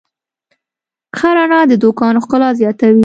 ښه رڼا د دوکان ښکلا زیاتوي.